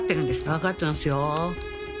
わかってますよ。